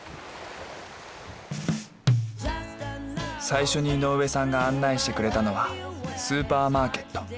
最初に井上さんが案内してくれたのはスーパーマーケット。